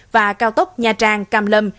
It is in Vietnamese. và cao tốc nha trang cam lâm